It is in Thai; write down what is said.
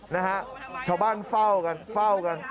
นะฮะชาวบ้านเฝ้ากัน